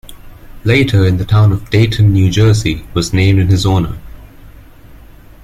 Later, the town of Dayton, New Jersey, was named in his honor.